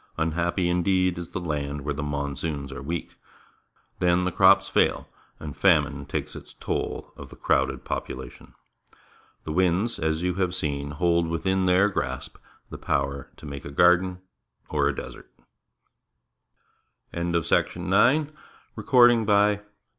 Unhappy, indeed, is the land when the monsoons are weak! Then the crops fail, and famine takes its toll of the crowded population. The winds, as you have seen, hold within their grasp the power to make a garden or a desert. THE OCEAN 43 THE OCEAN Ocean Life.